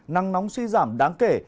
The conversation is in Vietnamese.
năng nóng suy giảm đáng kể